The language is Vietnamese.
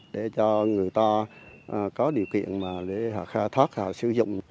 để cho người ta có điều kiện mà để họ khai thác họ sử dụng